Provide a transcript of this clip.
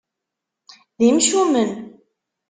D imcumen.